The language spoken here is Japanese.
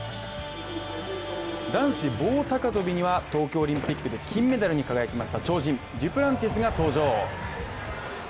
男子棒高跳びには、東京オリンピックで金メダルに輝きました超人・デュプランティスが登場。